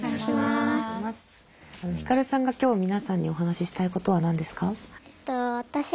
ひかるさんが今日皆さんにお話ししたいことは何ですか？